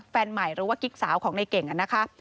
แฟนใหม่หรือว่ากิ๊กสาวของในเก่งนะคะ